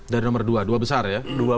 dari nomor dua dua besar ya